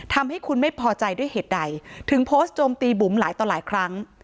ทำให้คุณไม่พอใจด้วยเหตุใดถึงโพสต์โจมตีบุ๋มหลายต่อหลายครั้ง